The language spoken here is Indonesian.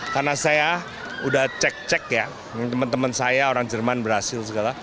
karena saya udah cek cek ya dengan teman teman saya orang jerman brazil segala